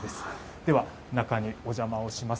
では、中にお邪魔をします。